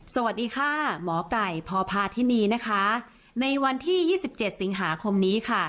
สวัสดีค่ะหมอไก่พอพาทินีนะคะในวันที่ยี่สิบเจ็ดสิงหาคมนี้ค่ะ